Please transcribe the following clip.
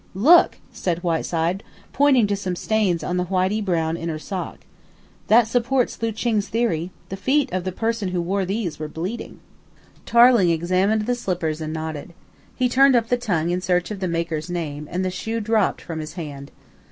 "Look!" said Whiteside, pointing to some stains on the whitey brown inner sock. "That supports Ling Chu's theory. The feet of the person who wore these were bleeding." Tailing examined the slippers and nodded. He turned up the tongue in search of the maker's name, and the shoe dropped from his hand.